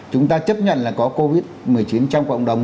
chúng ta chấp nhận là có covid một mươi chín trong cộng đồng